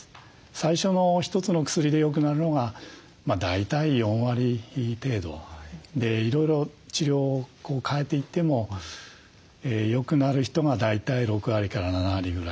最初の１つの薬でよくなるのが大体４割程度。でいろいろ治療を変えていってもよくなる人が大体６割から７割ぐらい。